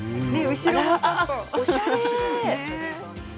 後ろもおしゃれ。